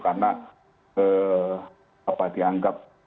karena apa dianggap